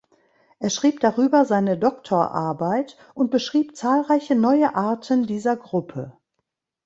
Er schrieb darüber seine Doktorarbeit und beschrieb zahlreiche neue Arten dieser Gruppe.